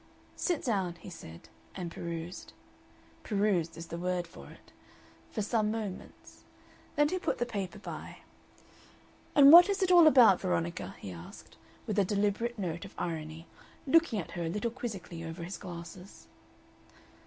"Sit down," he said, and perused "perused" is the word for it for some moments. Then he put the paper by. "And what is it all about, Veronica?" he asked, with a deliberate note of irony, looking at her a little quizzically over his glasses.